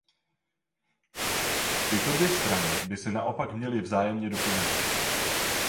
Tyto dvě strany by se naopak měly vzájemně doplňovat.